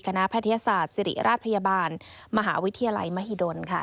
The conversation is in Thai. แพทยศาสตร์ศิริราชพยาบาลมหาวิทยาลัยมหิดลค่ะ